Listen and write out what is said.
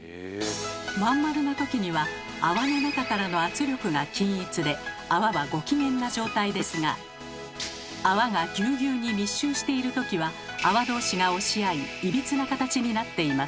まん丸な時には泡の中からの圧力が均一で泡はご機嫌な状態ですが泡がぎゅうぎゅうに密集している時は泡どうしが押し合いいびつな形になっています。